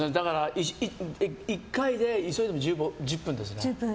１回で急いでも１０分ですね。